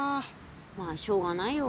まあしょうがないよ。